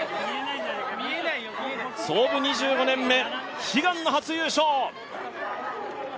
創部２５年目、悲願の初優勝。